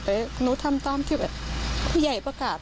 แต่หนูทำตามที่แบบผู้ใหญ่ประกาศ